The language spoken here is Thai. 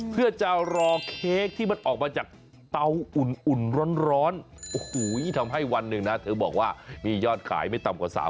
เพื่อจะรอเค้กที่มันออกมาจากเตาอุ่นร้อนโอ้โหยิ่งทำให้วันหนึ่งนะเธอบอกว่ามียอดขายไม่ต่ำกว่า๓๐๐